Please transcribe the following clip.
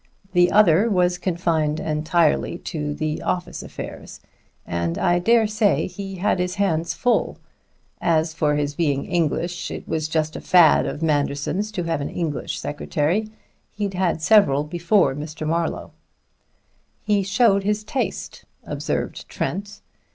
The other was confined entirely to the office affairs, and I dare say he had his hands full. As for his being English, it was just a fad of Manderson's to have an English secretary. He'd had several before Mr. Marlowe." "He showed his taste," observed Trent.